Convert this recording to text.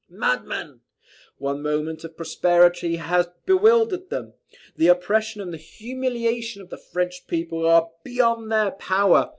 "Madmen! one moment of prosperity has bewildered them. The oppression and the humiliation of the French people are beyond their power.